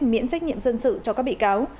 miễn trách nhiệm dân sự cho các bị cáo